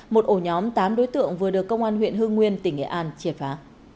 một ổ nhóm tám đối tượng vừa được công an huyện hương nguyên tỉnh nghệ an triệt phá